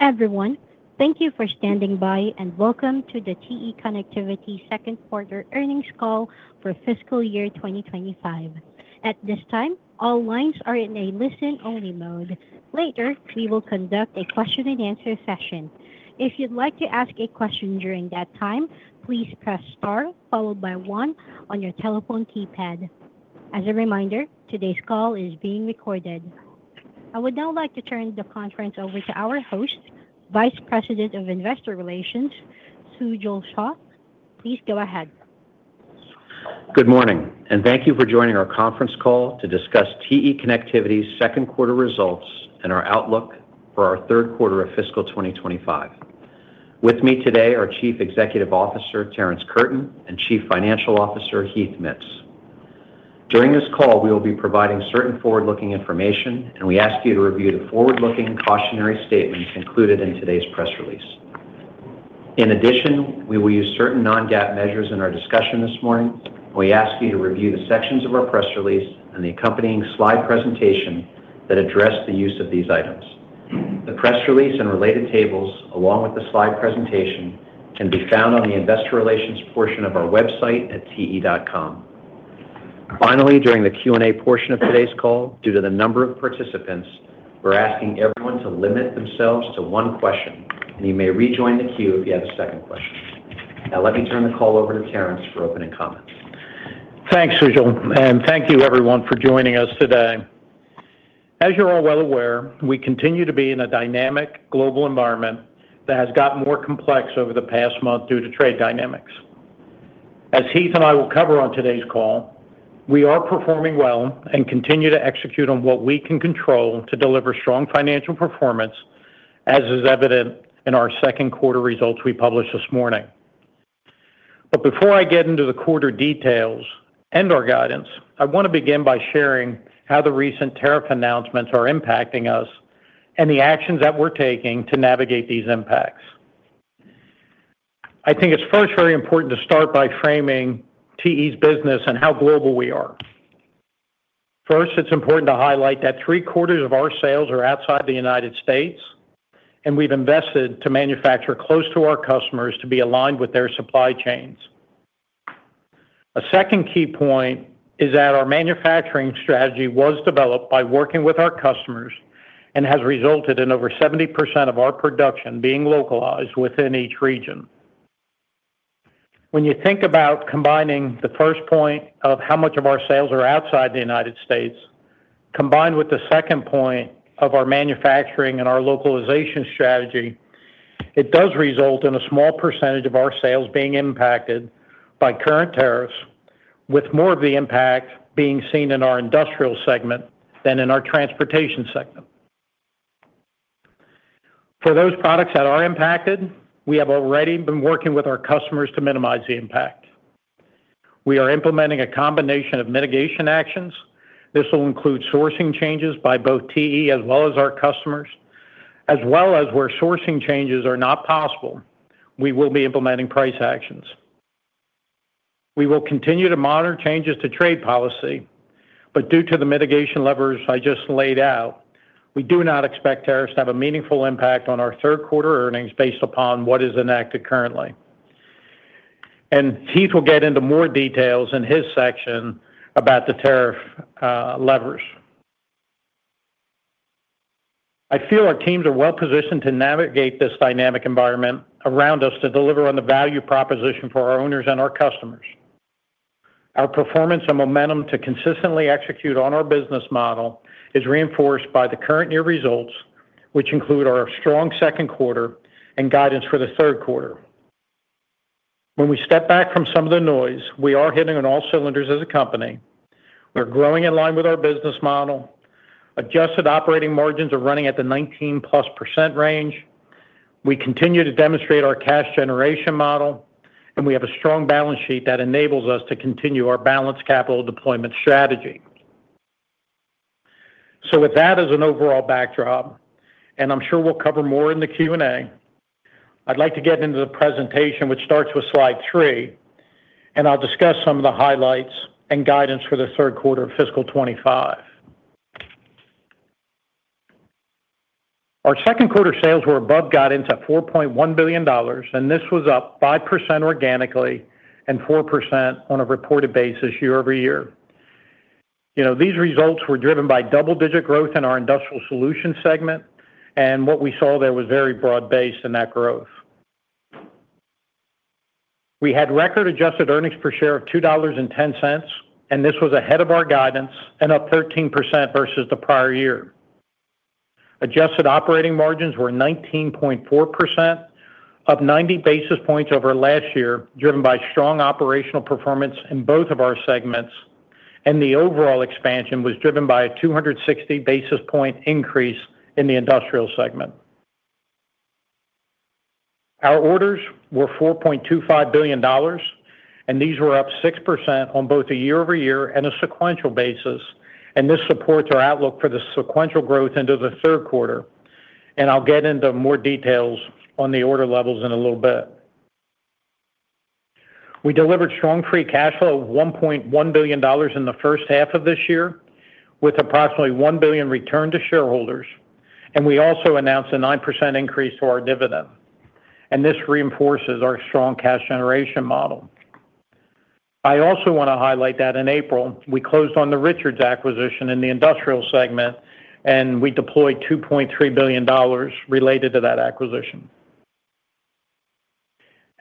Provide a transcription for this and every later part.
Everyone, thank you for standing by and welcome to the TE Connectivity second quarter earnings call for fiscal year 2025. At this time, all lines are in a listen only mode. Later we will conduct a question and answer session. If you'd like to ask a question during that time, please press star followed by one on your telephone keypad. As a reminder, today's call is being recorded. I would now like to turn the conference over to our host, Vice President of Investor Relations Sujal Shah. Please go ahead. Good morning and thank you for joining. Our conference call to discuss TE Connectivity's second quarter results and our outlook for our third quarter of fiscal 2025. With me today are Chief Executive Officer Terrence Curtin and Chief Financial Officer Heath Mitts. During this call we will be providing certain forward looking information and we ask you to review the forward looking cautionary statements included in today's press release. In addition, we will use certain non-GAAP measures in our discussion this morning. We ask you to review the sections. Of our press release and the accompanying slide presentation that address the use of these items. The press release and related tables along with the slide presentation can be found on the investor relations portion of our website at te.com finally, during the Q&A portion of today's call, due to the number of participants, we're asking everyone to limit themselves to one question and you may rejoin the queue if you have a second question. Now let me turn the call over to Terrence for opening comments. Thanks Sujal and thank you everyone for joining us today. As you're all well aware, we continue to be in a dynamic global environment that has gotten more complex over the past month due to trade dynamics. As Heath and I will cover on today's call, we are performing well and continue to execute on what we can control to deliver strong financial performance, as is evident in our second quarter results we published this morning. Before I get into the quarter details and our guidance, I want to begin by sharing how the recent tariff announcements are impacting us and the actions that we're taking to navigate these impacts. I think it's first very important to start by framing TE's business and how global we are. First, it's important to highlight that three quarters of our sales are outside the United States and we've invested to manufacture close to our customers to be aligned with their supply chains. A second key point is that our manufacturing strategy was developed by working with our customers and has resulted in over 70% of our production being localized within each region. When you think about combining the first point of how much of our sales are outside the United States combined with the second point of our manufacturing and our localization strategy, it does result in a small percentage of our sales being impacted by current tariffs, with more of the impact being seen in our industrial segment than in our Transportation segment. For those products that are impacted, we have already been working with our customers to minimize the impact. We are implementing a combination of mitigation actions. This will include sourcing changes by both TE as well as our customers. As well as where sourcing changes are not possible, we will be implementing price actions. We will continue to monitor changes to trade policy, but due to the mitigation levers I just laid out, we do not expect tariffs to have a meaningful impact on our third quarter earnings based upon what is enacted currently and Heath will get into more details in his section about the tariff levers. I feel our teams are well positioned to navigate this dynamic environment around us to deliver on the value proposition for our owners and our customers. Our performance and momentum to consistently execute on our business model is reinforced by the current year results which include our strong second quarter and guidance for the third quarter. When we step back from some of the noise, we are hitting on all cylinders as a company. We're growing in line with our business model. Adjusted operating margins are running at the 19%+ range. We continue to demonstrate our cash generation model and we have a strong balance sheet that enables us to continue our balanced capital deployment strategy. With that as an overall backdrop and I'm sure we'll cover more in the Q&A, I'd like to get into the presentation which starts with slide three and I'll discuss some of the highlights and guidance for the third quarter of fiscal 2025. Our second quarter sales were above guidance at $4.1 billion and this was up 5% organically and 4% on a reported basis year-over-year. You know, these results were driven by double-digit growth in our Industrial Solutions segment and what we saw there was very broad based in that growth. We had record adjusted earnings per share of $2.10 and this was ahead of our guidance and up 13% versus the prior year. Adjusted operating margins were 19.4%, up 90 basis points over last year, driven by strong operational performance in both of our segments, and the overall expansion was driven by a 260 basis point increase in the industrial segment. Our orders were $4.25 billion and these were up 6% on both a year-over-year and a sequential basis, and this supports our outlook for the sequential growth into the third quarter. I'll get into more details on the order levels in a little bit. We delivered strong free cash flow of $1.1 billion in the first half of this year with approximately $1 billion returned to shareholders and we also announced a 9% increase to our dividend and this reinforces our strong cash generation model. I also want to highlight that in April we closed on the Richards acquisition in the industrial segment and we deployed $2.3 billion related to that acquisition.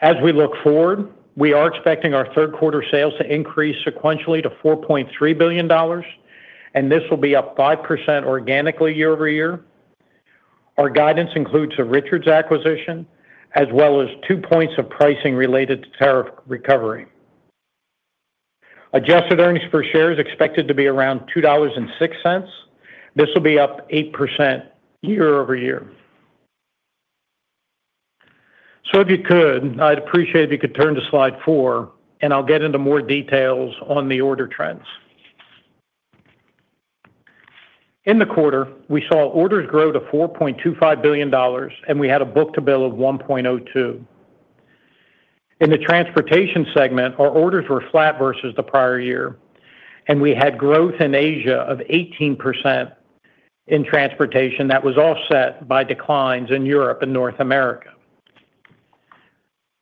As we look forward, we are expecting our third quarter sales to increase sequentially to $4.3 billion and this will be up 5% organically year-over-year. Our guidance includes a Richards acquisition as well as two points of pricing related to tariff recovery. Adjusted earnings per share is expected to be around $2.06. This will be up 8% year-over-year. If you could, I'd appreciate if you could turn to slide four and I'll get into more details on the order trends. In the quarter, we saw orders grow to $4.25 billion and we had a book to bill of $1.02 billion. In the Transportation segment, our orders were flat versus the prior year and we had growth in Asia of 18% in Transportation that was offset by declines in Europe and North America.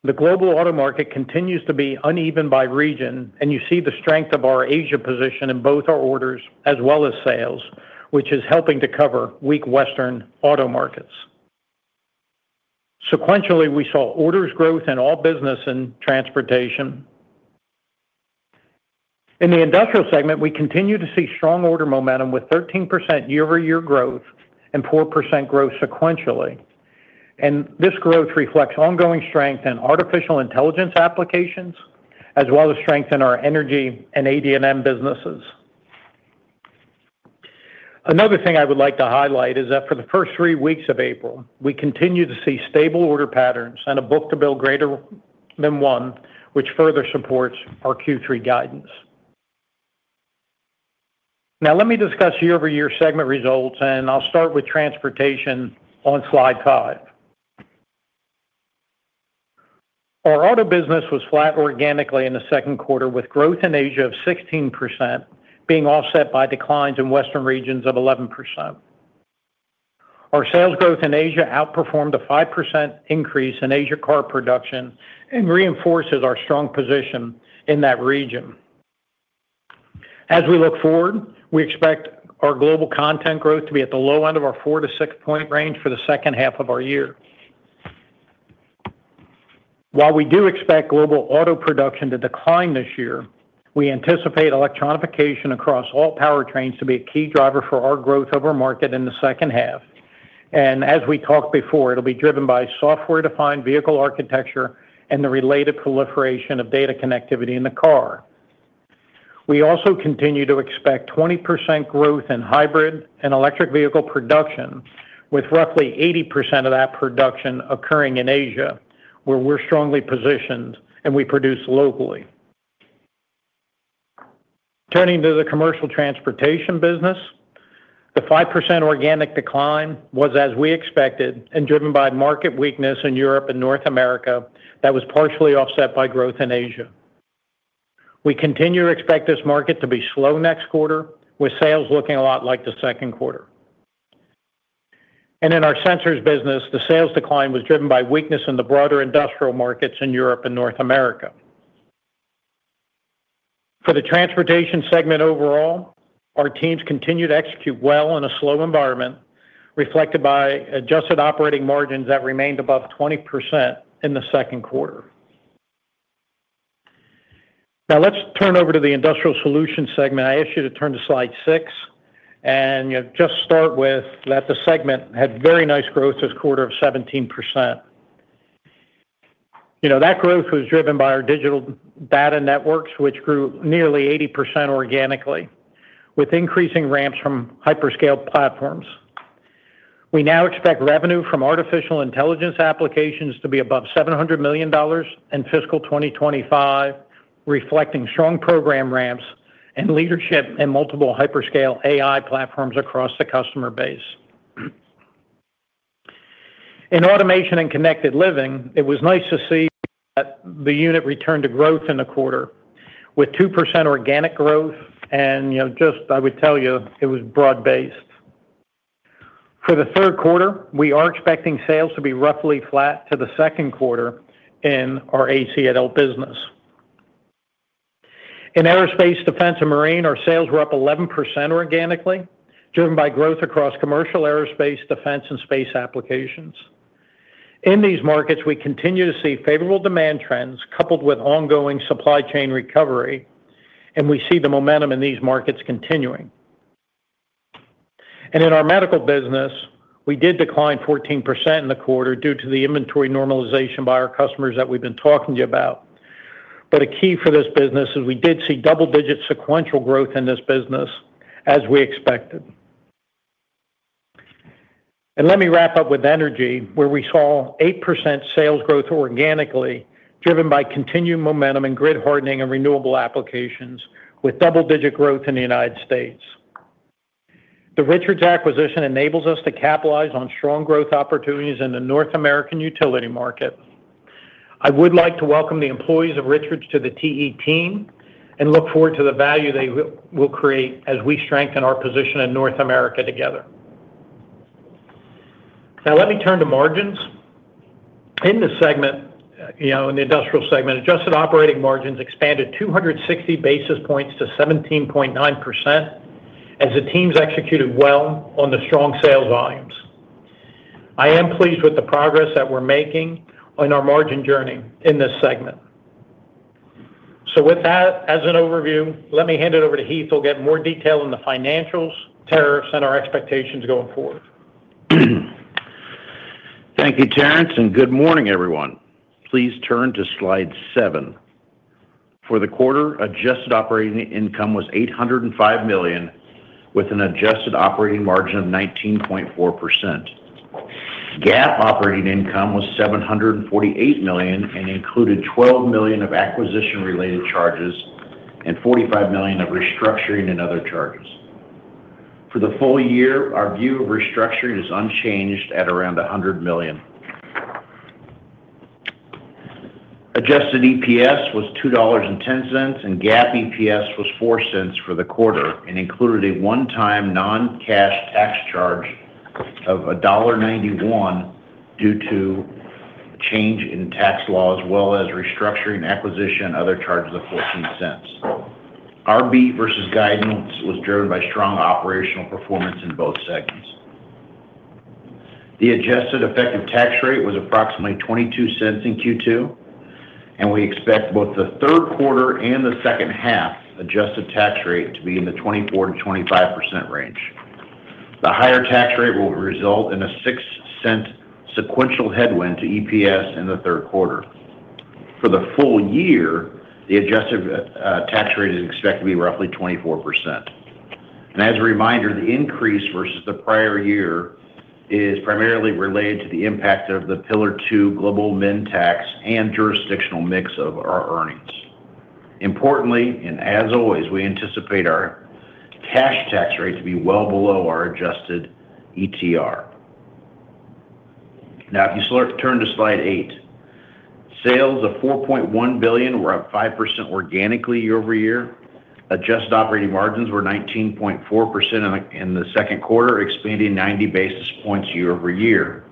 The global auto market continues to be uneven by region and you see the strength of our Asia position in both our orders as well as sales, which is helping to cover weak western auto markets. Sequentially, we saw orders growth in all business and transportation. In the industrial segment we continue to see strong order momentum with 13% year-over-year growth and 4% growth sequentially, and this growth reflects ongoing strength in artificial intelligence applications as well as strength in our Energy and AD&M businesses. Another thing I would like to highlight is that for the first three weeks of April we continue to see stable order patterns and a book to bill greater than one, which further supports our Q3 guidance. Now let me discuss year-over-year segment results, and I'll start with Transportation on slide five. Our auto business was flat organically in the second quarter, with growth in Asia of 16% being offset by declines in Western regions of 11%. Our sales growth in Asia outperformed a 5% increase in Asia car production and reinforces our strong position in that region. As we look forward, we expect our global content growth to be at the low end of our 4-6 point range for the second half of our year. While we do expect global auto production to decline this year, we anticipate electronification across all powertrains to be a key driver for our growth over market in the second half. As we talked before, it will be driven by software defined vehicle architecture and the related proliferation of data connectivity in the car. We also continue to expect 20% growth in hybrid and electric vehicle production, with roughly 80% of that production occurring in Asia where we are strongly positioned and we produce locally. Turning to the Commercial Transportation business, the 5% organic decline was as we expected and driven by market weakness in Europe and North America that was partially offset by growth in Asia. We continue to expect this market to be slow next quarter with sales looking a lot like the second quarter. In our Sensors business, the sales decline was driven by weakness in the broader industrial markets in Europe and North America. For the Transportation segment overall, our teams continue to execute well in a slow environment reflected by adjusted operating margins that remained above 20% in the second quarter. Now let's turn over to the Industrial Solutions segment. I ask you to turn to slide six and just start with that. The segment had very nice growth this quarter of 17%. You know that growth was driven by our digital data networks which grew nearly 80% organically with increasing ramps from hyperscale platforms. We now expect revenue from artificial intelligence applications to be above $700 million in fiscal 2025, reflecting strong program ramps and leadership in multiple hyperscale AI platforms across the customer base. In Automation and Connected Living, it was nice to see the unit returned to growth in the quarter with 2% organic growth. I would tell you it was broad based. For the third quarter we are expecting sales to be roughly flat to the second quarter in our ACL business. In Aerospace, Defense & Marine, our sales were up 11% organically driven by growth across commercial, aerospace, defense, and space applications. In these markets, we continue to see favorable demand trends coupled with ongoing supply chain recovery and we see the momentum in these markets continuing. In our Medical business we did decline 14% in the quarter due to the inventory normalization by our customers that we've been talking to you about. A key for this business is we did see double digit sequential growth in this business as we expected. Let me wrap up with Energy where we saw 8% sales growth organically driven by continued momentum in grid hardening and renewable applications. With double digit growth in the United States, the Richards acquisition enables us to capitalize on strong growth opportunities in the North American utility market. I would like to welcome the employees of Richards to the TE team and look forward to the value they will create as we strengthen our position in North America together. Now let me turn to margins. In this segment, in the industrial segment, adjusted operating margins expanded 260 basis points to 17.9% as the teams executed well on the strong sales volumes. I am pleased with the progress that we're making on our margin journey in this segment. With that as an overview, let me hand it over to Heath to get more detail on the financials, tariffs and our expectations going forward. Thank you Terrence and good morning everyone. Please turn to slide seven. For the quarter adjusted operating income was $805 million with an adjusted operating margin of 19.4%. GAAP operating income was $748 million and included $12 million of acquisition related charges and $45 million of restructuring and other charges. For the full year our view of restructuring is unchanged at around $100 million. Adjusted EPS was $2.10 and GAAP EPS was $0.04 for the quarter and included a one time non cash tax charge of $1.91 due to change in tax law as well as restructuring acquisition other charges of $0.14. Our beat versus guidance was driven by strong operational performance in both segments. The adjusted effective tax rate was approximately 22% in Q2 and we expect both the third quarter and the second half adjusted tax rate to be in the 24%-25% range. The higher tax rate will result in a $0.06 sequential headwind to EPS in the third quarter. For the full year the adjusted tax rate is expected to be roughly 24% and as a reminder, the increase versus the prior year is primarily related to the impact of the Pillar 2 global min tax and jurisdictional mix of our earnings. Importantly, and as always, we anticipate our cash tax rate to be well below our adjusted ETR. Now if you turn to slide eight, sales of $4.1 billion were up 5% organically year-over-year. Adjusted operating margins were 19.4% in the second quarter, expanding 90 basis points year-over-year.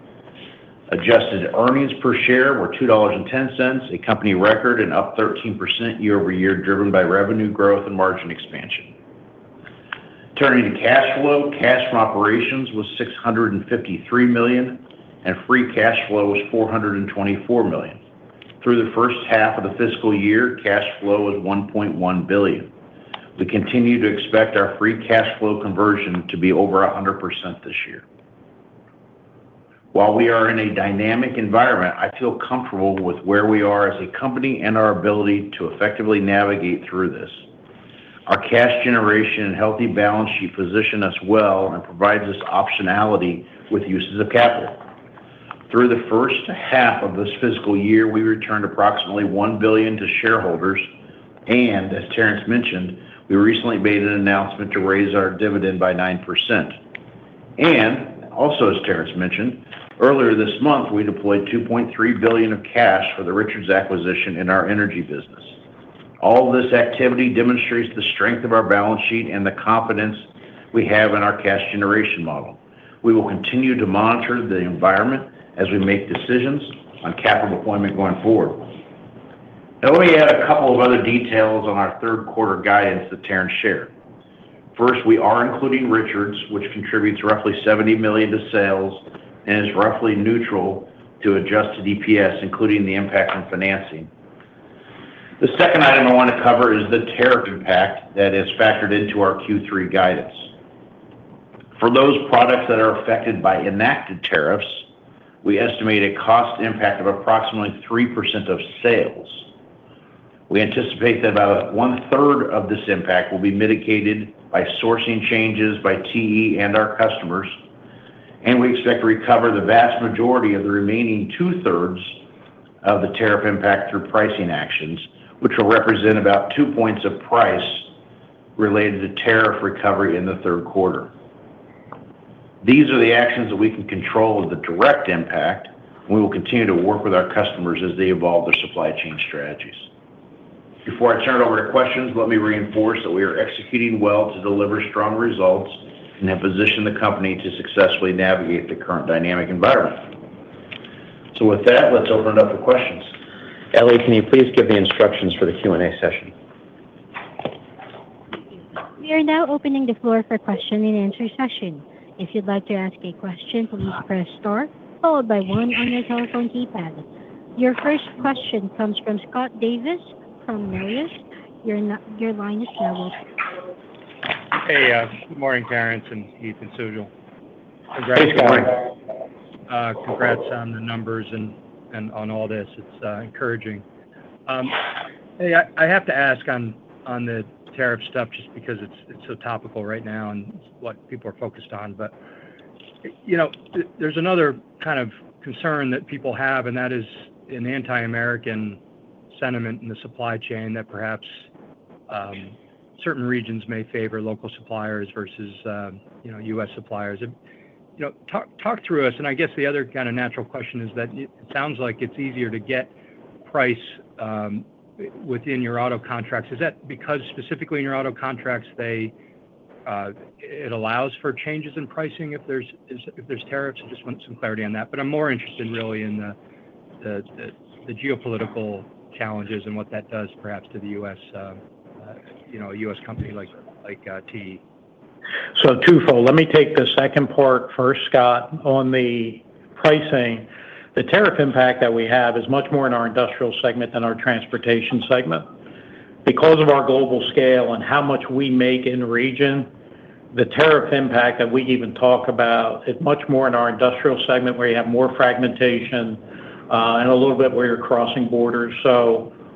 Adjusted earnings per share were $2.10, a company record and up 13% year-over-year driven by revenue growth and margin expansion. Turning to cash flow, cash from operations was $653 million and free cash flow was $424 million. Through the first half of the fiscal year, cash flow was $1.1 billion. We continue to expect our free cash flow conversion to be over 100% this year. While we are in a dynamic environment, I feel comfortable with where we are as a company and our ability to effectively navigate through this. Our cash generation and healthy balance sheet position us well and provide us optionality with uses of capital. Through the first half of this fiscal year, we returned approximately $1 billion to shareholders. As Terrence mentioned, we recently made an announcement to raise our dividend by 9%. Also, as Terrence mentioned earlier this month, we deployed $2.3 billion of cash for the Richards acquisition in our Energy business. All this activity demonstrates the strength of our balance sheet and the confidence we have in our cash generation model. We will continue to monitor the environment as we make decisions on capital deployment going forward. Now, let me add a couple of other details on our third quarter guidance that Terrence shared. First, we are including Richards, which contributes roughly $70 million to sales and is roughly neutral to adjusted EPS, including the impact from financing. The second item I want to cover is the tariff impact that is factored into our Q3 guidance. For those products that are affected by enacted tariffs, we estimate a cost impact of approximately 3% of sales. We anticipate that about one-third of this impact will be mitigated by sourcing changes by TE and our customers. We expect to recover the vast majority of the remaining two-thirds of the tariff impact through pricing actions which will represent about 2 percentage points of price related to tariff recovery in the third quarter. These are the actions that we can control of the direct impact. We will continue to work with our customers as they evolve their supply chain strategies. Before I turn it over to questions, let me reinforce that we are executing well to deliver strong results and have positioned the company to successfully navigate the current dynamic environment. With that, let's open it up for questions. Ellie, can you please give the instructions for the Q&A session? We are now opening the floor for question and answer session. If you'd like to ask a question, please press star followed by one on your telephone keypad. Your first question comes from Scott Davis from Melius Research. Your line is traveled. Hey, good morning, Terrence and Heath and Sujal. Congrats on the numbers and on all this. It's encouraging. I have to ask on the tariff stuff just because it's so topical right now and what people are focused on. You know, there's another kind of concern that people have and that is an anti-American sentiment in the supply chain that perhaps certain regions may favor local suppliers versus, you know, U.S. suppliers. You know, talk through us. I guess the other kind of natural question is that it sounds like it's easier to get price within your auto contracts. Is that because specifically in your auto contracts they, it allows for changes in pricing if there's, if there's tariffs. I just want some clarity on that. I'm more interested really in the geopolitical challenges and what that does perhaps to the U.S., you know, a U.S company like TE. So twofold. Let me take the second part first, Scott, on the pricing. The tariff impact that we have is much more in our industrial segment than our Transportation segment because of our global scale and how much we make in region. The tariff impact that we even talk about is much more in our industrial segment where you have more fragmentation and a little bit where you're crossing borders.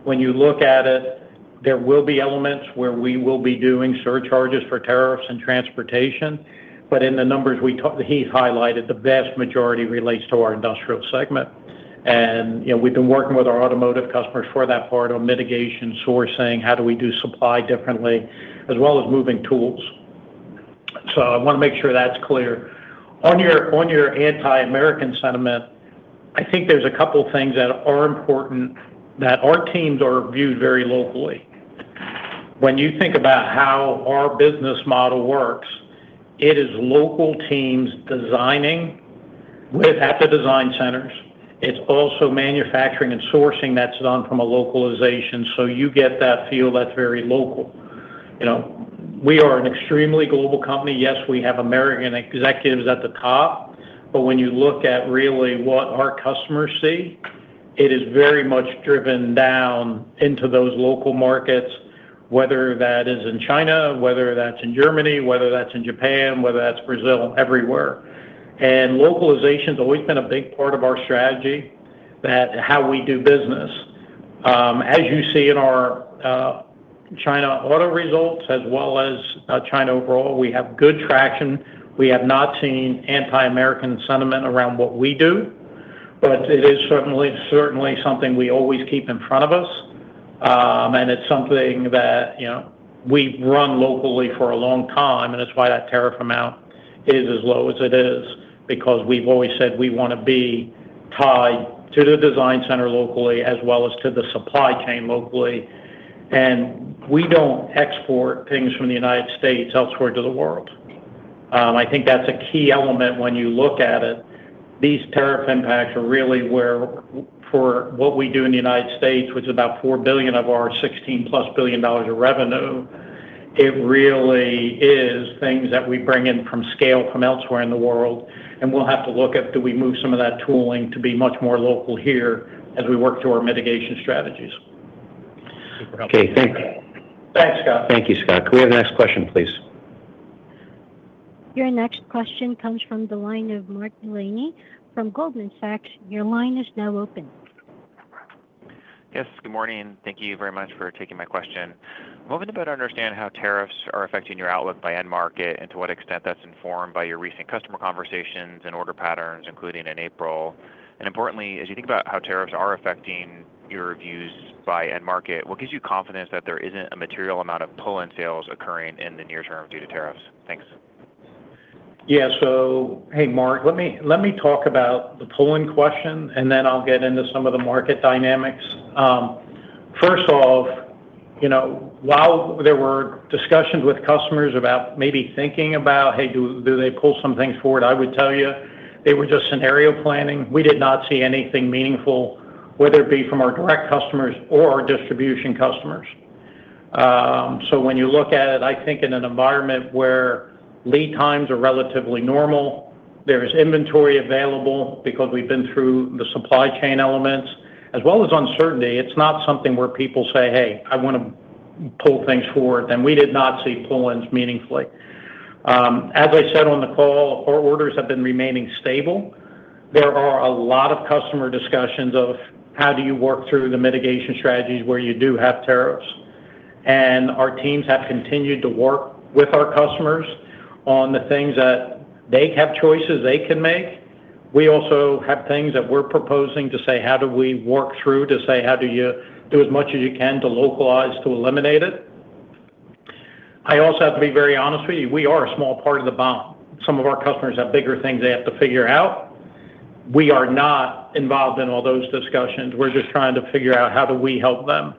When you look at it, there will be elements where we will be doing surcharges for tariffs and transportation. In the numbers we talked he highlighted, the vast majority relates to our industrial segment and we've been working with our automotive customers for that part on mitigation, sourcing, how do we do supply apply differently as well as moving tools. I want to make sure that's clear. On your, on your anti-American sentiment, I think there's a couple things that are important that our teams are viewed very locally. When you think about how our business model works, it is local teams designing with at the design centers. It's also manufacturing and sourcing that's done from a localization. You get that feel that's very local. You know, we are an extremely global company. Yes, we have American executives at the top, but when you look at really what our customers see, it is very much driven down into those local markets, whether that is in China, whether that's in Germany, whether that's in Japan, whether that's Brazil, everywhere. Localization has always been a big part of our strategy that how we do business, as you see in our China auto results as well as China overall we have good traction. We have not seen anti-American sentiment around what we do, but it is certainly, certainly something we always keep in front of us. It is something that, you know, we run locally for a long time. That is why that tariff amount is as low as it is because we have always said we want to be tied to the design center locally as well as to the supply chain locally. We do not export things from the United States elsewhere to the world. I think that is a key element when you look at it. These tariff impacts are really where for what we do in the United States., which is about $4 billion of our $16+ billion of revenue. It really is things that we bring in from scale from elsewhere in the world. We will have to look at do we move some of that tooling to be much more local here as we work to our mitigation strategies. Okay, thank you. Thanks, Scott. Thank you, Scott. Can we have the next question, please? Your next question comes from the line of Mark Delaney from Goldman Sachs. Your line is now open. Yes, good morning. Thank you very much for taking my question. Want me to better understand how tariffs are affecting your outlook by end market and to what extent that's informed by your recent customer conversations and order patterns, including in April. Importantly, as you think about how tariffs are affecting your views by end market, what gives you confidence that there isn't a material amount of pull in sales occurring in the near term due to tariffs? Thanks. Yeah. Hey, Mark, let me talk about the pull in question and then I'll get into some of the market dynamics. First off, you know, while there were discussions with customers about maybe thinking about, hey, do they pull some things forward? I would tell you they were just scenario planning. We did not see anything meaningful, whether it be from our direct customers or our distribution customers. When you look at it, I think in an environment where lead times are relatively normal, there is inventory available because we've been through the supply chain elements as well as uncertainty. It's not something where people say, hey, I want to pull things forward. We did not see pull ins meaningfully, as I said on the call or orders have been remaining stable. There are a lot of customer discussions of how do you work through the mitigation strategies where you do have tariffs. Our teams have continued to work with our customers on the things that they have, choices they can make. We also have things that we're proposing to say how do we work through to say how do you do as much as you can to localize, to eliminate it. I also have to be very honest with you. We are a small part of the bond. Some of our customers have bigger things they have to figure out. We are not involved in all those discussions. We're just trying to figure out how do we help them.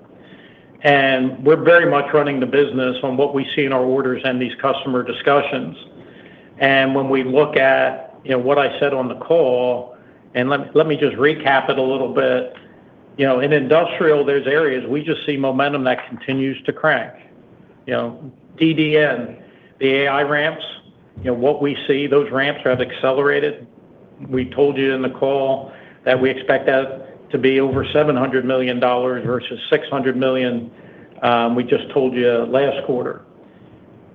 We are very much running the business on what we see in our orders and these customer discussions. When we look at what I said on the call, and let me just recap it a little bit, you know, in industrial, there are areas we just see momentum that continues to crack. You know, DDN, the ramps, you know what we see, those ramps have accelerated. We told you in the call that we expect that to be over $700 million versus $600 million. We just told you last quarter.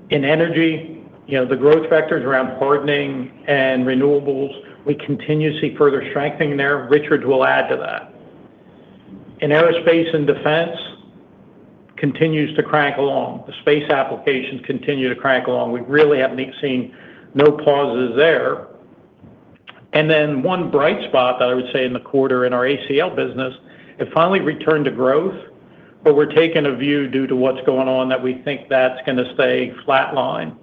In Energy, you know, the growth factors around hardening and renewables, we continue to see further strengthening there Richards will add to that. In aerospace and defense, it continues to crank along. The space applications continue to crank along. We really have seen no pauses there. One bright spot that I would say in the quarter in our ACL business, it finally returned to growth. We are taking a view due to what's going on that we think that's going to stay flatline.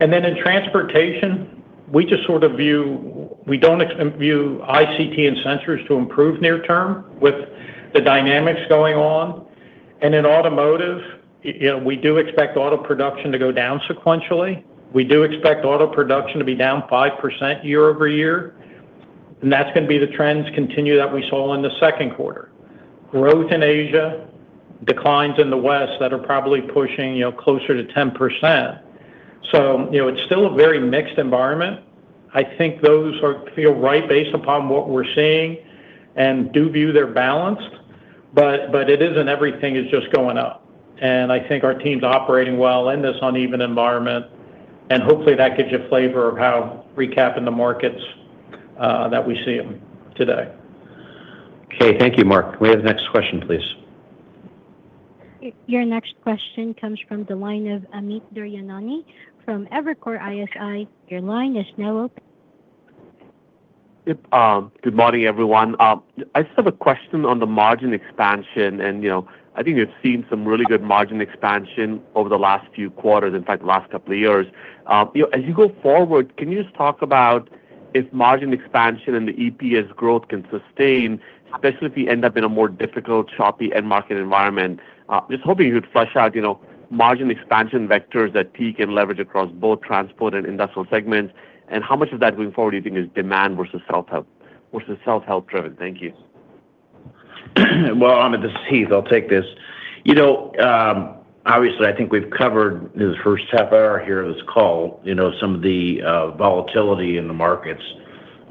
In Transportation, we just sort of view we don't view ICT and Sensors to improve near term with the dynamics going on. In automotive, you know, we do expect auto production to go down sequentially. We do expect auto production to be down 5% year-over-year. That's going to be the trends continue that we saw in the second quarter. Growth in Asia, declines in the West that are probably pushing, you know, closer to 10%. You know, it's still a very mixed environment. I think those feel right based upon what we're seeing and do view they're balanced, but it isn't everything is just going up and I think our team's operating well in this uneven environment and hopefully that gives you a flavor of how recapping the markets that we see today. Okay, thank you Mark. We have the next question, please. Your next question comes from the line of Amit Daryanani from Evercore ISI. Your line is now open. Good morning everyone. I just have a question on the margin expansion and I think you've seen some really good margin expansion over the last few quarters. In fact, the last couple of years. As you go forward, can you talk about if margin expansion and the EPS growth can sustain, especially if you end up in a more difficult, choppy end market environment. Just hoping you'd flush out margin expansion vectors that peak and leverage across both transport and industrial segments. And how much of that going forward do you think is demand versus self help driven? Thank you. This is Heath. I'll take this. You know, obviously I think we've covered the first half hour here. This call, you know, some of the volatility in the markets.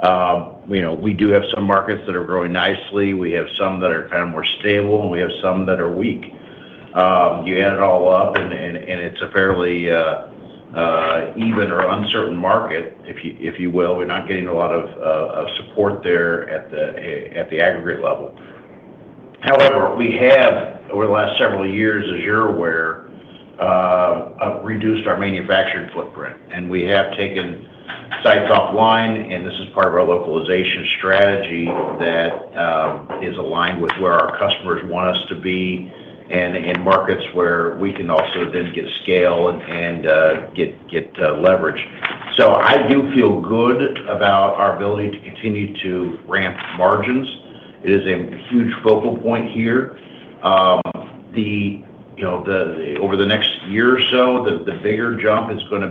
You know, we do have some markets that are growing nicely. We have some that are kind of more stable and we have some that are weak. You add it all up and it's a fairly even or uncertain market if you will. We're not getting a lot of support there at the aggregate level. However, we have over the last several years, as you're aware, reduced our manufacturing footprint and we have taken sites offline and this is part of our localization strategy that is aligned with where our customers want us to be and in markets where we can also then get scale and get leverage. I do feel good about our ability to continue to ramp margins. It is a huge focal point here. You know, over the next year or so, the bigger jump is going to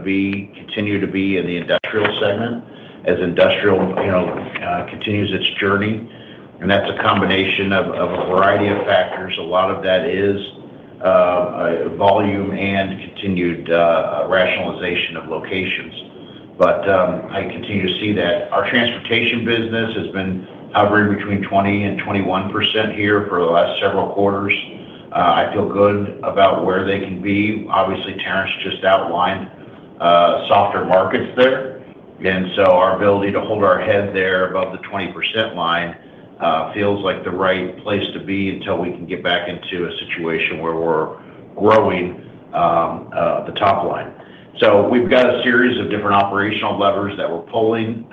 continue to be in the industrial segment as industrial, you know, continues its journey. That is a combination of a variety of factors. A lot of that is volume and continued rationalization of locations. I continue to see that our Transportation business has been hovering between 20% and 21% here for the last several quarters. I feel good about where they can be. Obviously, Terrence just outlined softer markets there. Our ability to hold our head there above the 20% line feels like the right place to be until we can get back into a situation where we're growing the top line. We've got a series of different operational levers that we're pulling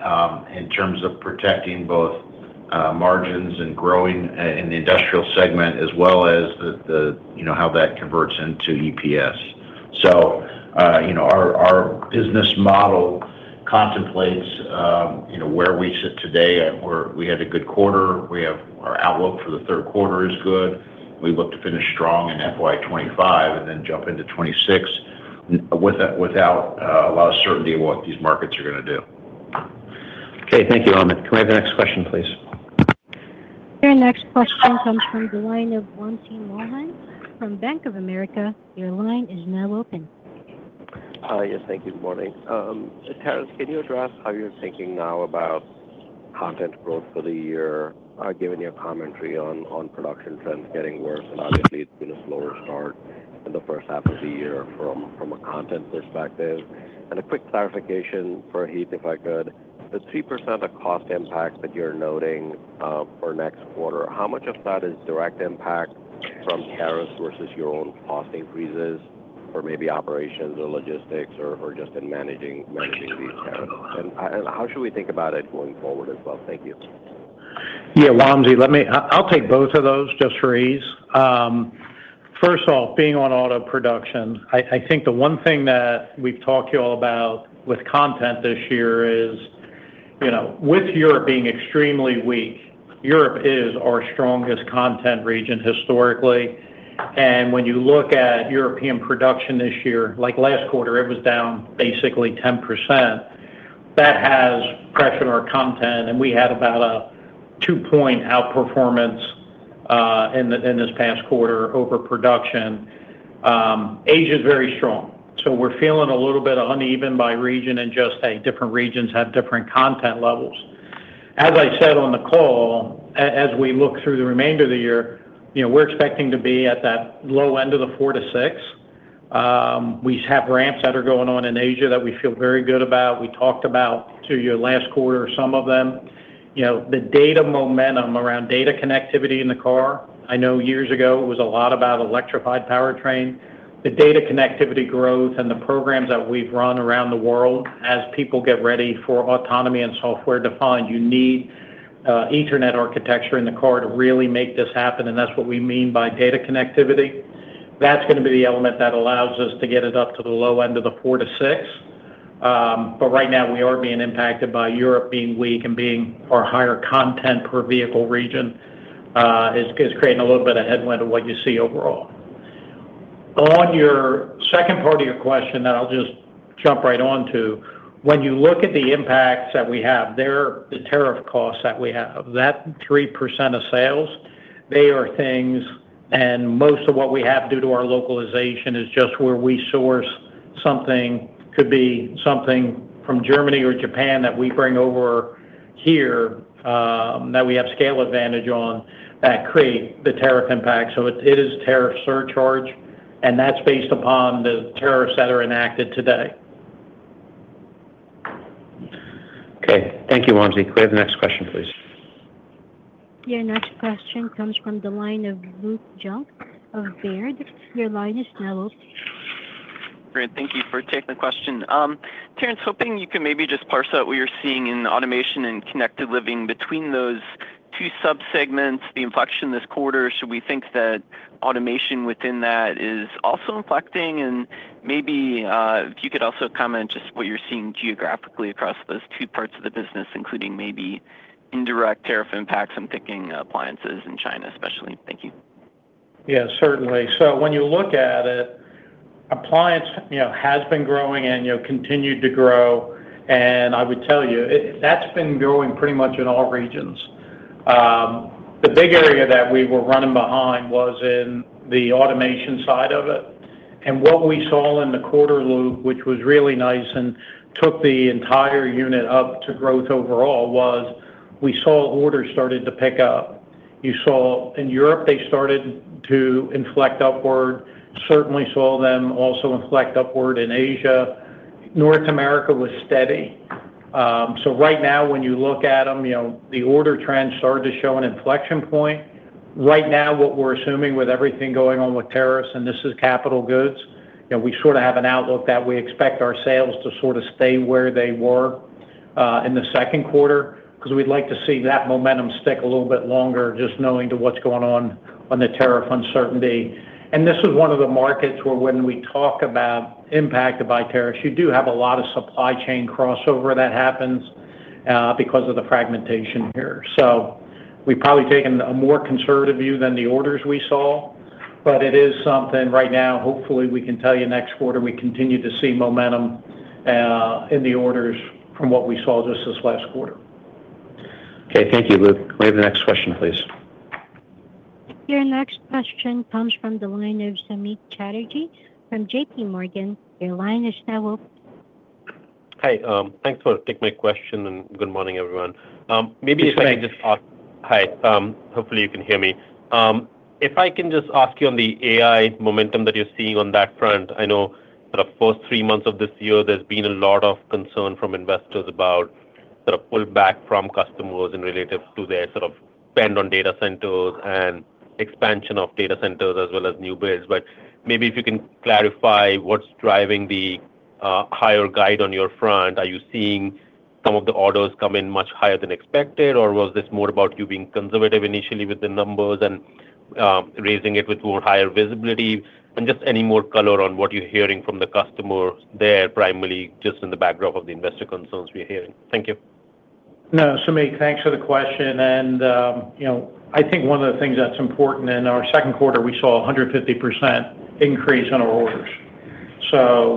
in terms of protecting both margins and growing in the industrial segment as well as the, you know, how that converts into EPS. You know, our business model contemplates, you know, where we sit today, where we had a good quarter. We have, our outlook for the third quarter is good. We look to finish strong in FY2025 and then jump into 2026 without a lot of certainty what these markets are going to do. Okay, thank you. Amit, can we have the next question, please? Your next question comes from the line of Wamsi Mohan from Bank of America. Your line is now open. Yes, thank you. Good morning. Terrence, can you address how you're thinking now about content growth for the year, given your commentary on production trends getting worse? Obviously it's been a slower start in the first half of the year from a content perspective. A quick clarification for Heath, if I could. The 3% of cost impact that you're noting for next quarter, how much of that is direct impact from tariffs versus your own cost increases or maybe operations or logistics or just in managing these tariffs? How should we think about it going forward as well? Thank you. Yeah, Wamsi, I'll take both of those just for ease. First off, being on auto production, I think the one thing that we've talked to you all about with content this year is, you know, with Europe being extremely weak. Europe is our strongest content region historically. When you look at European production this year, like last quarter, it was down basically 10%. That has pressured our content. We had about a two point outperformance in this past quarter over production. Asia is very strong, so we're feeling a little bit uneven by region. Just different regions have different content levels. As I said on the call, as we look through the remainder of the year, you know, we're expecting to be at that low end of the 4%-6%. We have ramps that are going on in Asia that we feel very good about. We talked about to your last quarter, some of them, you know, the data momentum around data connectivity in the car. I know years ago it was a lot about electrified powertrain, the data connectivity growth and the programs that we've run around the world as people get ready for autonomy and software defined you need Ethernet architecture in the car to really make this happen. That's what we mean by data connectivity. That's going to be the element that allows us to get it up to, to the low end of the four to six. Right now we are being impacted by Europe being weak and being our higher content per vehicle region is creating a little bit of headwind of what you see overall. On your second part of your question that I'll just jump right on to. When you look at the impacts that we have there, the tariff costs that we have, that 3% of sales, they are things and most of what we have due to our localization is just where we source something. Could be something from Germany or Japan that we bring over here that we have scale advantage on that create the tariff impact. It is tariff surcharge and that's based upon the tariffs that are enacted today. Okay, thank you. Wamsi, could we have the next question please? Your next question comes from the line of Luke Junk of Baird. Your line is now open. Great. Thank you for taking the question, Terrence. Hoping you could maybe just parse out what you're seeing in Automation and Connected Living between those two subsegments. The inflection this quarter, should we think that automation within that is also inflecting? Maybe if you could also comment just what you're seeing geographically across those two parts of the business, including maybe indirect tariff impacts on picking appliances in China especially. Thank you. Yeah, certainly. When you look at it, appliance has been growing and continued to grow. I would tell you that's been growing pretty much in all regions. The big area that we were running behind was in the automation side of it. What we saw in the quarter, Luke, which was really nice and took the entire unit up to growth overall, was we saw orders started to pick up. You saw in Europe, they started to inflect upward. Certainly saw them also inflect upward in Asia. North America was steady. Right now, when you look at them, the order trend started to show an inflection point. Right now, what we're assuming with everything going on with tariffs and this is capital goods and we sort of have an outlook that we expect our sales to sort of stay where they were in the second quarter because we'd like to see that momentum stick a little bit longer just knowing to what's going on on the tariff uncertainty. This is one of the markets where when we talk about impacted by tariffs, you do have a lot of supply chain crossover that happens because of the fragmentation here. We probably have taken a more conservative view than the orders we saw. It is something right now. Hopefully we can tell you next quarter we continue to see momentum in the orders from what we saw just this last quarter. Okay, thank you, Luke. We have the next question, please. Your next question comes from the line of Samik Chatterjee from JP Morgan. Your line is now open. Hi, thanks for taking my question and good morning everyone. Maybe if I just ask. Hi. Hopefully you can hear me. If I can just ask you on the AI momentum that you're seeing on that front. I know the first three months of this year there's been a lot of concern from investors about pullback from customers in relative to their sort of spend on data centers and expansion of data centers as well as new builds. Maybe if you can clarify what's driving the higher guide on your front. Are you seeing some of the orders come in much higher than expected or was this more about you being conservative initially with the numbers and raising it with more higher visibility and just any more color on what you're hearing from the customer there? Primarily just in the backdrop of the investor concerns we're hearing. Thank you. No, Samik, thanks for the question. You know, I think one of the things that's important in our second quarter, we saw a 150% increase in our orders.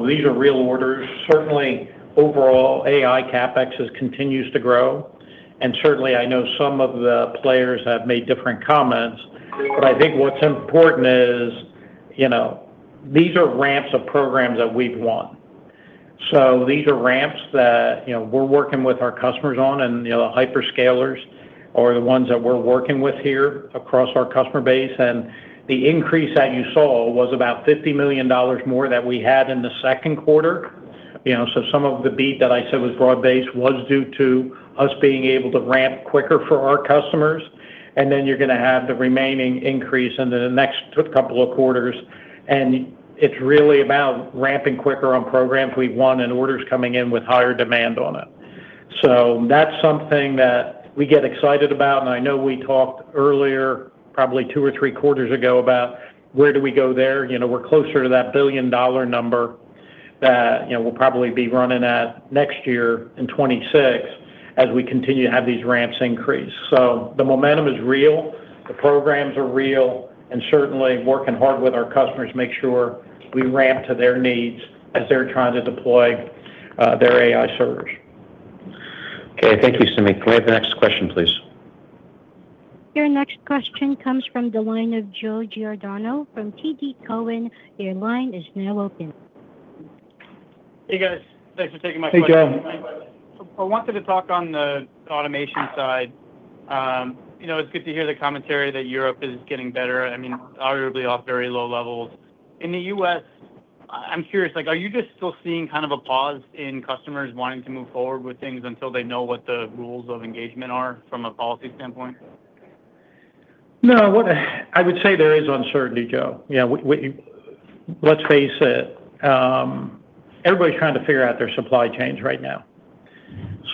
These are real orders. Certainly, overall AI CapEx continues to grow, and certainly I know some of the players have made different comments. I think what's important is, you know, these are ramps of programs that we've won. These are ramps that, you know, we're working with our customers on, and you know, hyperscalers are the ones that we're working with here across our customer base. The increase that you saw was about $50 million more that we had in the second quarter. Some of the beat that I said was broad based was due to us being able to ramp quicker for our customers. You're going to have the remaining increase in the next couple of quarters and it's really about ramping quicker on programs we won and orders coming in with higher demand on it. That's something that we get excited about. I know we talked earlier probably two or three quarters ago about where do we go there, you know, we're closer to that billion dollar number that will probably be running at next year in 2026 as we continue to have these ramps increase. The momentum is real, the programs are real and certainly working hard with our customers. Make sure we ramp to their needs as they're trying to deploy their AI servers. Okay, thank you. Samik, can we have the next question, please? Your next question comes from the line of Joe Giordano from TD Cowen. Your line is now open. Hey guys, thanks for taking my time. I wanted to talk on the automation side. You know, it's good to hear the commentary that Europe is getting better. I mean, arguably off very low levels in the U.S. I'm curious, like, are you just still seeing kind of a pause in customers wanting to move forward with things until they know what the rules of engagement are from a policy standpoint? No, I would say there is uncertainty. Joe, let's face it, everybody's trying to figure out their supply chains right now.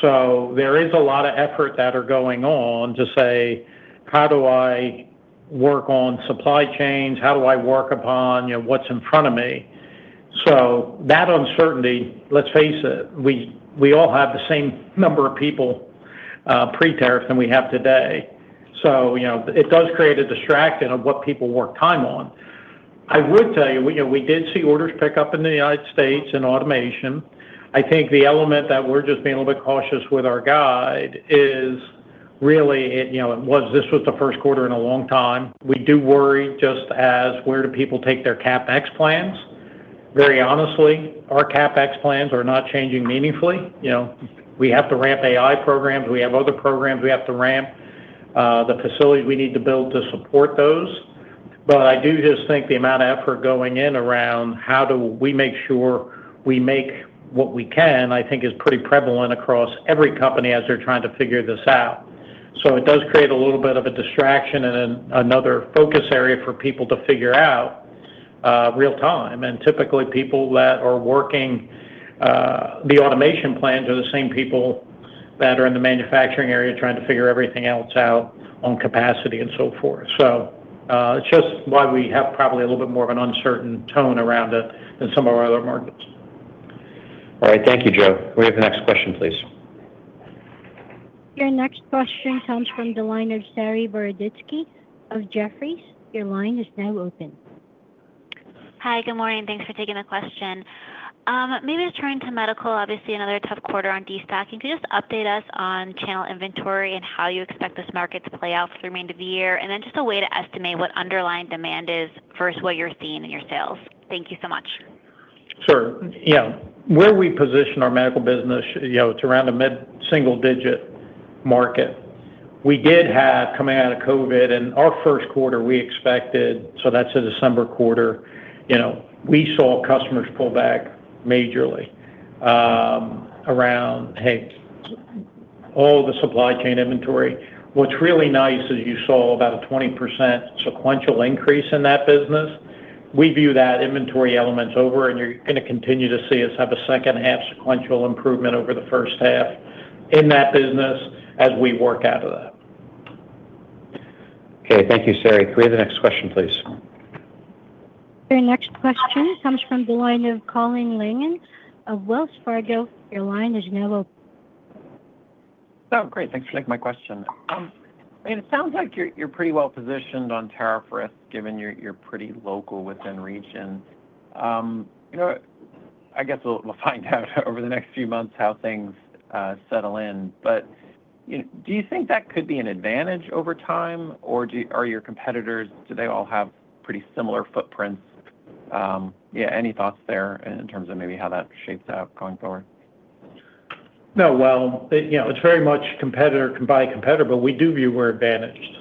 There is a lot of effort that are going on to say how do I work on supply chains, how do I work upon what's in front of me? That uncertainty, let's face it, we all have the same number of people pre tariffs than we have today. You know, it does create a distraction of what people work time on. I would tell you we did see orders pick up in the United States and automation. I think the element that we're just being a little bit cautious with our guide is, is really, you know, it was, this was the first quarter in a long time. We do worry just as where do people take their CapEx plans? Very honestly, our CapEx plans are not changing meaningfully. You know, we have to ramp AI programs, we have other programs. We have to ramp the facilities we need to build to support those. I do just think the amount of effort going in around how do we make sure we make what we can, I think is pretty prevalent across every company as they're trying to figure this out. It does create a little bit of a distraction and another focus area for people to figure out real time. Typically people that are working the automation plans are the same people that are in the manufacturing area trying to figure everything else out on capacity and so forth. It is just why we have probably a little bit more, more of an uncertain tone around it than some of our other markets. All right, thank you, Joe, we have the next question, please. Your next question comes from the line of Saree Boroditsky of Jefferies. Your line is now open. Hi, good morning. Thanks for taking the question. Maybe to turn to Medical. Obviously another tough quarter on destocking. Could you just update us on channel inventory and how you expect this market to play out for the remainder of the year and then just a way to estimate what underlying demand is versus what you're seeing in your sales. Thank you so much, sir. Yeah. Where we position our Medical business, you know, it's around a mid single digit market. We did have coming out of COVID and our first quarter we expected, so that's a December quarter. You know, we saw customers pull back majorly around, hey, all the supply chain inventory. What's really nice is you saw about a 20% sequential increase in that business. We view that inventory elements over and you're going to continue to see us have a second half sequential improvement over the first half in that business as we work out of that. Okay, thank you. Saree, can we have the next question, please? Our next question comes from the line of Colin Langan of Wells Fargo. Your line, as you know, will. Great. Thanks for taking my question. It sounds like you're pretty well positioned on tariff risk given you're pretty local within region. You know, I guess we'll find out over the next few months how things settle in. Do you think that could be an advantage over time or are your competitors, do they all have pretty similar footprints? Yeah. Any thoughts there in terms of maybe how that shapes out going forward? No. You know, it's very much competitor by competitor, but we do view we're advantaged.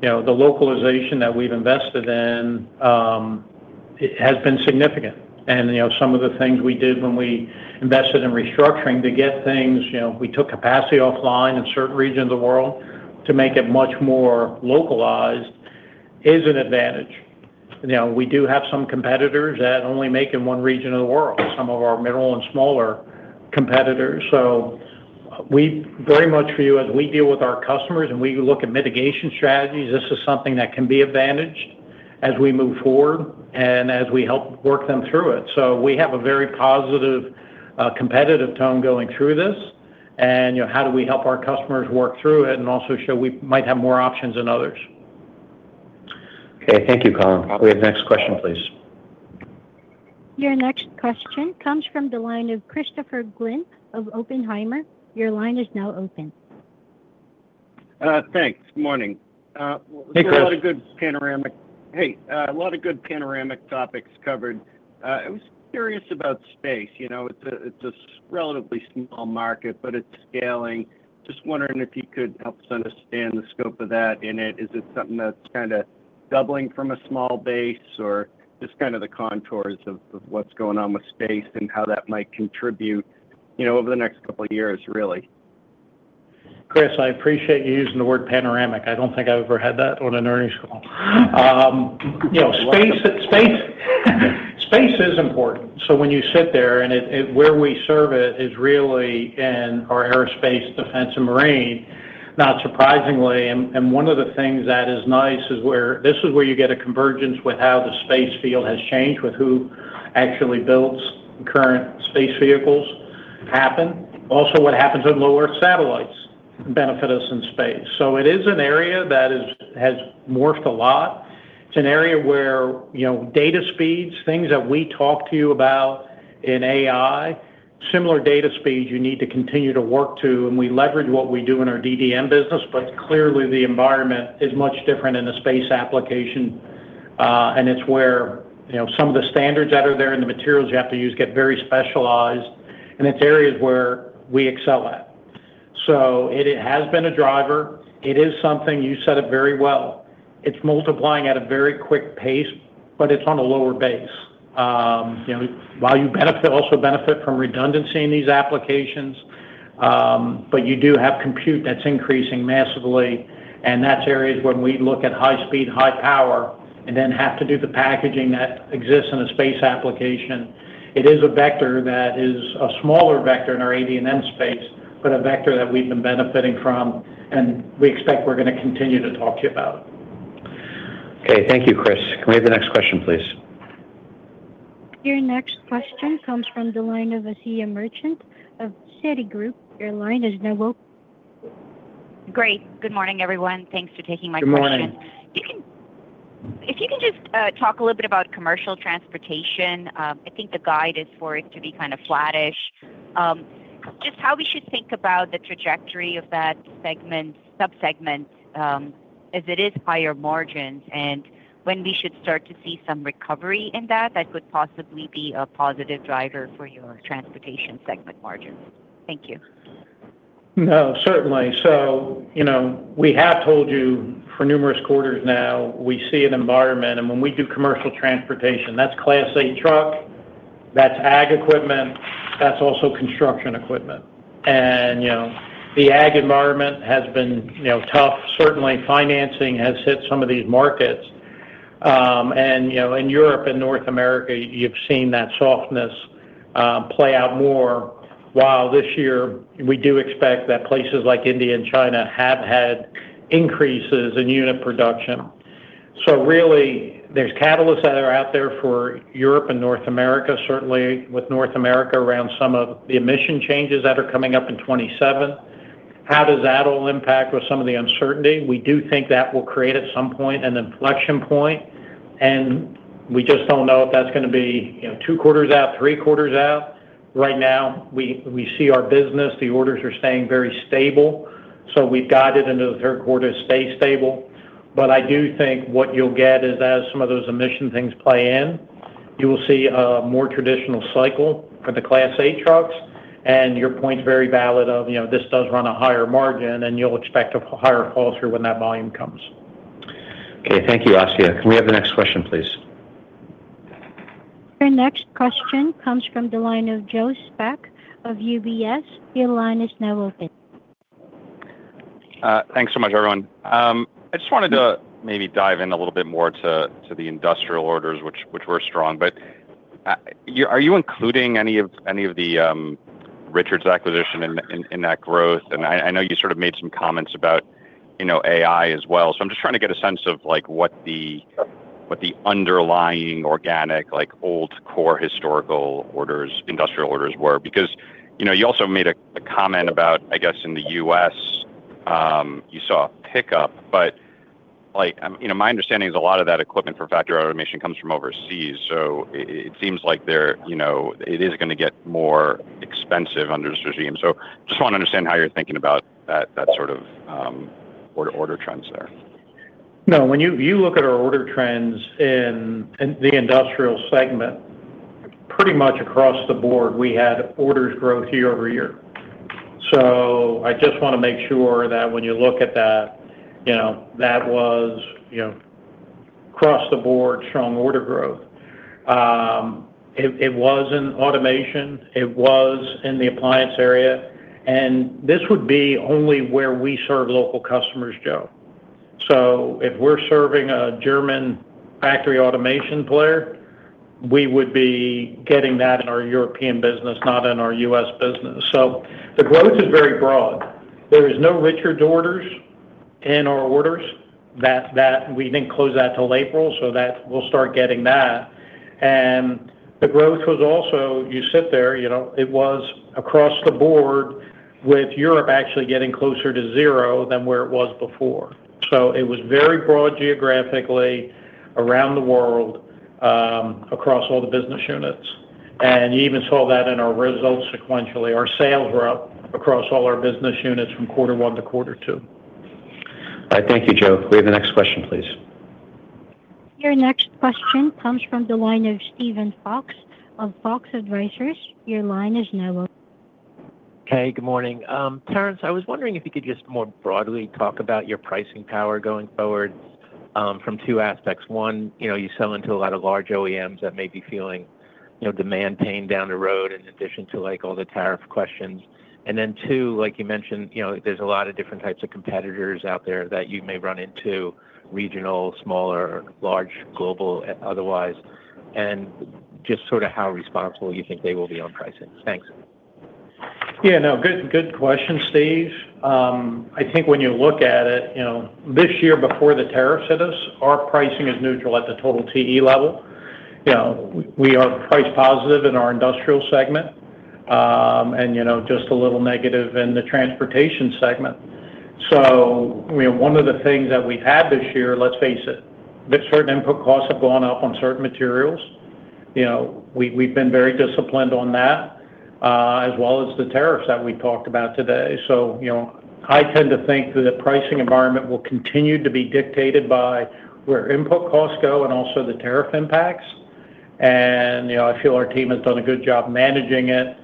You know, the localization that we've invested in has been significant. You know, some of the things we did when we invested in restructuring to get things, you know, we took capacity offline in certain regions of the world to make it much more local is an advantage. Now we do have some competitors that only make in one region of the world, some of our middle and smaller competitors. We very much feel as we deal with our customers and we look at mitigation strategies, this is something that can be advantaged as we move forward and as we help work them through it. We have a very positive competitive tone going through this and, you know, how do we help our customers work through it and also show we might have more options than others? Okay, thank you, Colin. We have the next question, please. Your next question comes from the line of Christopher Glynn of Oppenheimer. Your line is now open. Thanks. Morning. Hey, Chris. Hey. A lot of good panoramic topics covered. I was curious about space. You know, it's a relatively small market, but it's scaling. Just wondering if you could help us understand the scope of that in it. Is it something that's kind of doubling from a small base or just kind of the contours of what's going on with space and how that might contribute, you know, over the next couple years, really? Chris, I appreciate you using the word panoramic. I don't think I've ever had that on an earnings call. You know, space, space, space is important. When you sit there and where we serve it is really, really in our Aerospace, Defense & marine, not surprisingly. One of the things that is nice is this is where you get a convergence with how the space field has changed with who actually builds current space vehicles, what happens also when low earth satellites benefit us in space. It is an area that has morphed a lot. It's an area where, you know, data speeds, things that we talk to you about in AI, similar data speeds you need to continue to work to and we leverage what we do in our DDN business. Clearly the environment is much different in a space application. It is where, you know, some of the standards that are there and the materials you have to use get very specialized. It is areas where we excel at. It has been a driver. It is something you said very well. It is multiplying at a very quick pace, but it is on a lower base. You know, while you also benefit from redundancy in these applications. You do have compute that is increasing massively and that is areas when we look at high speed, high power and then have to do the packaging that exists in a space application. It is a vector that is a smaller vector in our AD&M space, but a vector that we have been benefiting from and we expect we are going to continue to talk to you about. Okay, thank you, Chris. Can we have the next question, please? Your next question comes from the line of Asiya Merchant of Citigroup. Your line is now open. Great, good morning everyone. Thanks for taking my question. If you can just talk a little bit about Commercial Transportation. I think the guide is for it to be kind of flattish just how we should think about the trajectory of that segment subsegment as it is higher margins and when we should start to see some recovery in that, that would possibly be a positive driver for your Transportation segment margins. Thank you. No, certainly. You know, we have told you for numerous quarters now we see an environment and when we do Commercial Transportation, that's class A truck, that's AG equipment, that's also construction equipment. You know, the AG environment has been tough. Certainly financing has hit some of these markets and you know, in Europe and North America you've seen that softness play out more. While this year we do expect that places like India and China have had increases in unit production. Really there's catalysts that are out there for Europe and North America. Certainly with North America around some of the emission changes that are coming up in 2027, how does that all impact with some of the uncertainty? We do think that will create at some point an inflection point and we just don't know if that's going to be two quarters out, three quarters out. Right now we see our business, the orders are staying very stable. We have guided into the third quarter stay stable. I do think what you will get is as some of those emission things play in, you will see a more traditional cycle for the Class 8 trucks. Your point is very valid of, you know, this does run a higher margin and you will expect a higher fall through when that volume comes. Okay, thank you, Asia. Can we have the next question, please? Your next question comes from the line of Joe Spak of UBS. Your line is now open. Thanks so much everyone. I just wanted to maybe dive in a little bit more to of the industrial orders, which were strong. Are you including any of the Richards acquisition in that growth? I know you sort of made some comments about, you know, AI as well. I'm just trying to get a sense of like what the, what the underlying organic like old core historical orders, industrial orders were because you know, you also made a comment about, I guess in the U.S. you saw a pickup. You know my understanding is a lot of that equipment for factory automation comes from overseas. It seems like there, you know it is going to get more expensive under regime. Just want to understand how you're thinking about that sort of order. Order trends there. No. When you look at our order trends in the industrial segment, pretty much across the board, we had orders growth year-over-year. I just want to make sure that when you look at that, you know, that was, you know, across the board, strong order growth. It was in automation. It was in the appliance area. This would be only where we serve local customers, Joe. If we are serving a German factory automation player, we would be getting that in our European business, not in our U.S. business. The growth is very broad. There is no Richards orders in our orders. We did not close that till April, so we will start getting that. The growth was also, you sit there, you know, it was across the board, with Europe actually getting closer to zero than where it was before. It was very broad geographically around the world across all the business units. You even saw that in our results sequentially, our sales were up across all our business units from quarter one to quarter two. Thank you, Joe. We have the next question, please. Your next question comes from the line of Steven Fox of Fox Advisors. Your line is now. Hey, good morning, Terrence. I was wondering if you could just more broadly talk about your pricing power going forward from two aspects. One, you know, you sell into a lot of large OEMs that may be feeling, you know, demand pain down the road in addition to, like all the tariff questions. Two, like you mentioned, you know, there's a lot of different types of competitors out there that you may run into, regional, smaller, large, global, otherwise, and just sort of how responsible you think they will be on pricing? Thanks. Yeah, no, good. Good question, Steve. I think when you look at it, you know, this year, before the tariffs hit us all, our pricing is neutral at the total TE level. You know, we are price positive in our industrial segment and, you know, just a little negative in the Transportation segment. One of the things that we've had this year, let's face it, certain input costs have gone up on certain materials. You know, we've been very disciplined on that as well as the tariffs that we talked about today. You know, I tend to think that the pricing environment will continue to be dictated by where input costs go and also the tariff impacts. You know, I feel our team has done a good job managing it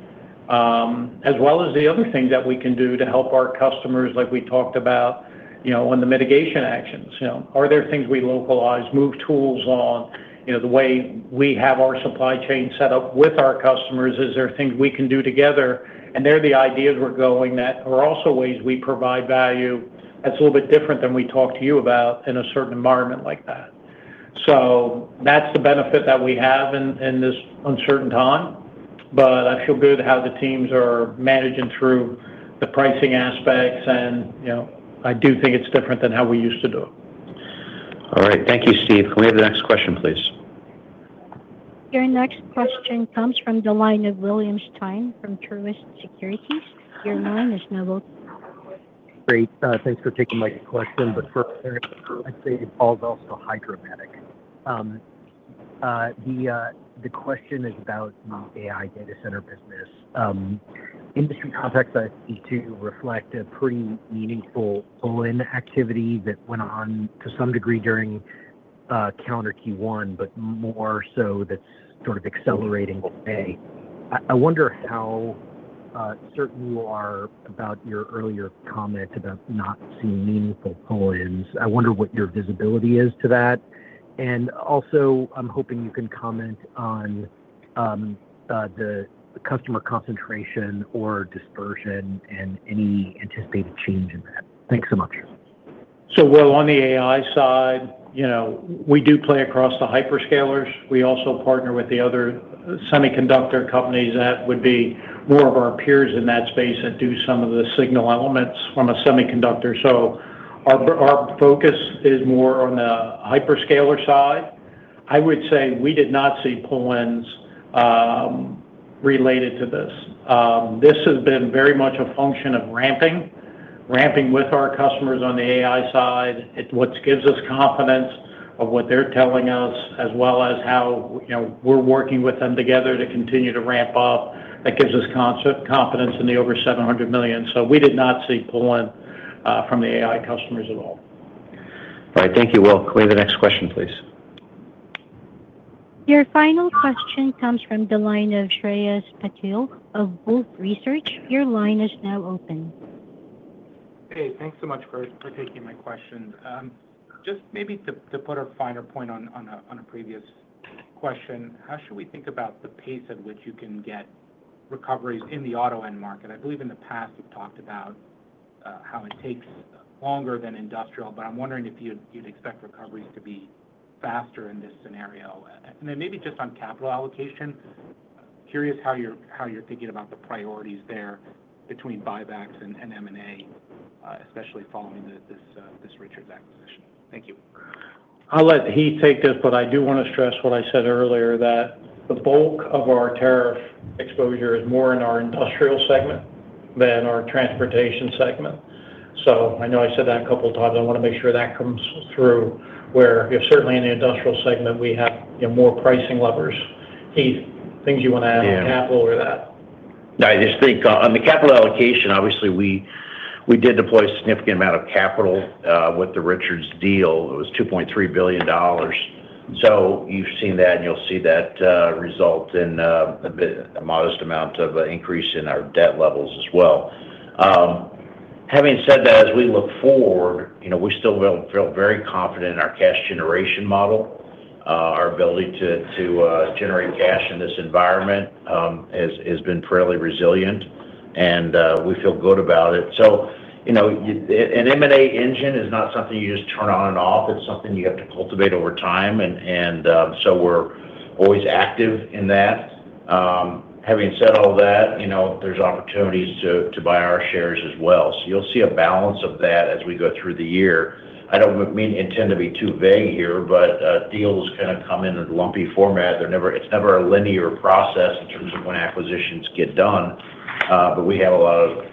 as well as the other things that we can do to help our customers. Like we talked about, you know, on the mitigation actions, you know, are there things we localize, move tools on, you know, the way we have our supply chain set up with our customers, is there things we can do together and they're the ideas we're going that are also ways we provide value. That's a little bit different than we talk to you about in a certain environment like that. That is the benefit that we have in this uncertain time. I feel good how the teams are managing through the pricing aspects. You know, I do think it's different than how we used to do it. All right, thank you, Steve. Can we have the next question please? Your next question comes from the line of William Stein from Truist Securities. Your line is now open. Great. Thanks for taking my question. First, I'd say pull-in also hydromatic. The question is about the AI data center business. Industry contacts I see reflect a pretty meaningful pull in activity that went on to some degree during Q1, but more so that's sort of accelerating. I wonder how certain you are about your earlier comment about not seeing meaningful pull ins. I wonder what your visibility is to that. I'm hoping you can comment on the customer concentration or dispersion. Any anticipated change in that? Thanks so much. On the AI side, you know, we do play across the hyperscalers. We also partner with the other semiconductor companies that would be more of our peers in that space that do some of the signal elements from a semiconductor. Our focus is more on the hyperscaler side. I would say we did not see pull ins related to this. This has been very much a function of ramping, ramping with our customers. On the AI side, what gives us confidence is what they are telling us as well as how we are working with them together to continue to ramp up. That gives us confidence in the over $700 million. We did not see pull in from the AI customers at all. Right, thank you. Will we have the next question, please? Your final question comes from the line of Shreyas Patil of Wolfe Research. Your line is now open. Hey, thanks so much for taking my question. Just maybe to put a finer point on a previous question, how should we think about the pace at which you can get recoveries in the auto end market? I believe in the past we've talked about how it takes longer than industrial, but I'm wondering if you'd expect recoveries to be faster in this scenario and then maybe just on capital allocation. Curious how you're thinking about the priorities there between buybacks and M&A, especially following this Richards acquisition. Thank you. I'll let Heath take this. I do want to stress what I said earlier, that the bulk of our tariff exposure is more in our industrial segment than our Transportation segment. I know I said that a couple of times. I want to make sure that comes through where certainly in the industrial segment we have more pricing levers. Heath, anything you want to add on capital or that? I just think on the capital allocation. Obviously we did deploy a significant amount of capital with the Richards deal. It was $2.3 billion. You have seen that and you will see that result in a modest amount of an increase in our debt levels as well. Having said that, as we look forward, you know, we still feel very confident in our cash generation model. Our ability to generate cash in this environment has been fairly resilient and we feel good about it. You know, an M&A engine is not something you just turn on and off. It's something you have to cultivate over time. We are always active in that. Having said all that, you know, there's opportunities to buy our shares as well. You will see a balance of that as we go through the year. I do not mean to be too vague here, but deals kind of come in a lumpy format. They're never, it's never a linear process in terms of when acquisitions get done. We have a lot of,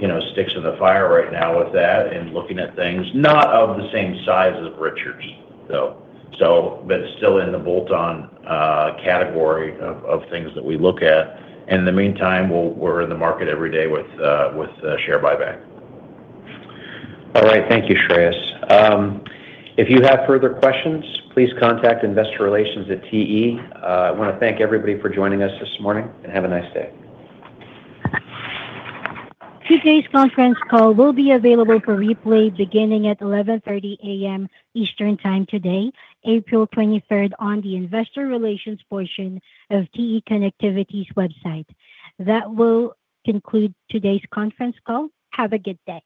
you know, sticks in the fire right now with that and looking at things not of the same, same size as Richards though, so. It is still in the bolt-on category of things that we look at. In the meantime, we're in the market every day with share buyback. All right, thank you, Shreyas. If you have further questions, please contact Investor Relations at TE. I want to thank everybody for joining us this morning and have a nice day. Today's conference call will be available for replay beginning at 11:30 A.M. Eastern Time today, April 23rd on the Investor Relations portion of TE Connectivity's website. That will conclude today's conference call. Have a good day.